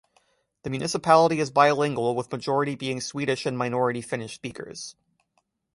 The municipality is bilingual, with majority being Swedish and minority Finnish speakers.